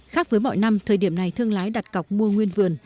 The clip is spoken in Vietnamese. khác với mọi năm thời điểm này thương lái đặt cọc mua nguyên vườn